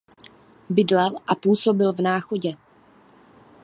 Bydlel a působil v Náchodě.